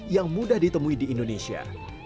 yang mudah ditemui di indonesia